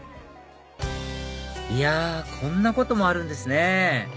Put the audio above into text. いやこんなこともあるんですね